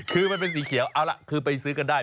คือมันเป็นสีเขียวเอาล่ะคือไปซื้อกันได้